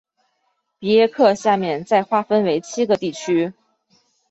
比耶克下面再划分为七个地区。